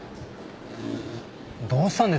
どうしたんです？